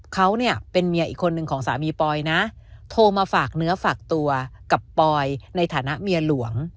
เขาเนี่ยเป็นเมียอีกคนนึงของสามีปอยนะโทรมาฝากเนื้อฝากตัวกับปอยในฐานะเมียหลวง